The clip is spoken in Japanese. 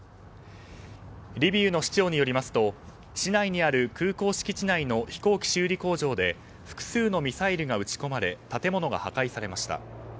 リビウの市長によりますと市内にある空港敷地内の飛行機修理工場で複数のミサイルが撃ち込まれ建物が破壊されました。